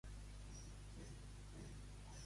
Va escriure altres pasdobles?